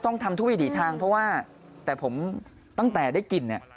ต้องทำทุกวิถีทางเพราะว่าผมตั้งแต่ได้กิน